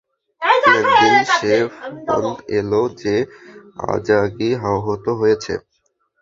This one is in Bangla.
একদিন, সে ফোন এলো যে আজাগী আহত হয়েছে।